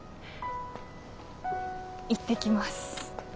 行ってきます。